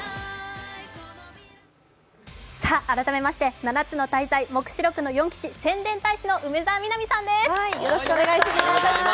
改めまして「七つの大罪黙示録の四騎士」宣伝大使の梅澤美波さんです。